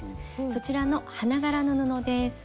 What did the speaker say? そちらの花柄の布です。